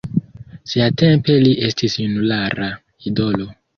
Siatempe li estis junulara idolo.